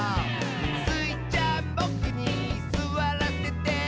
「スイちゃんボクにすわらせて？」